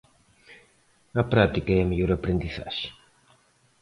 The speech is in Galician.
A práctica é a mellor aprendizaxe.